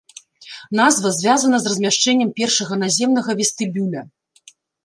Назва звязана з размяшчэннем першага наземнага вестыбюля.